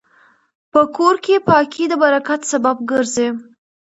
په کور کې پاکي د برکت سبب ګرځي.